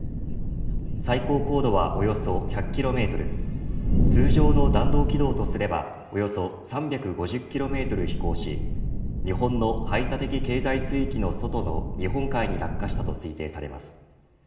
最高高度はおよそ１００キロメートル通常の弾道軌道とすればおよそ３５０キロメートル飛行し日本の排他的経済水域の外の日本海に落下したと推定されます。